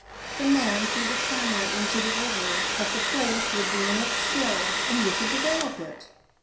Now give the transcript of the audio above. "The man threw the camera into the river, but the plate would be in it still, and you could develop it!"